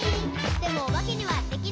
「でもおばけにはできない。」